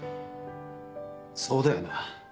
そうだよな